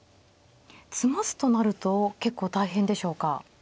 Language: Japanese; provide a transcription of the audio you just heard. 詰ますとなると結構大変でしょうか。